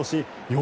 ４